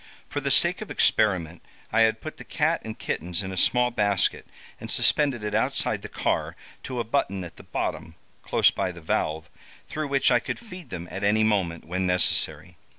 For the sake of experiment I had put the cat and kittens in a small basket, and suspended it outside the car to a button at the bottom, close by the valve, through which I could feed them at any moment when necessary.